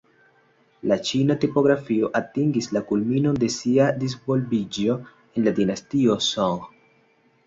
La ĉina tipografio atingis la kulminon de sia disvolviĝo en la dinastio Song.